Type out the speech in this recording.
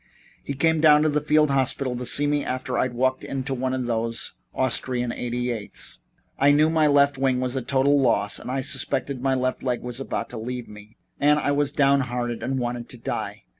He came down to the field hospital to see me after I'd walked into one of those Austrian 88's. I knew my left wing was a total loss and I suspected my left leg was about to leave me, and I was downhearted and wanted to die.